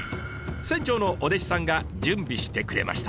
船長のお弟子さんが準備してくれました。